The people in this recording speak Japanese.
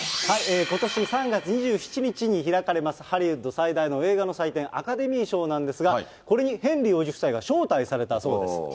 ことし３月２７日に開かれますハリウッド最大の映画の祭典、アカデミー賞なんですが、これにヘンリー王子夫妻が招待されたそうです。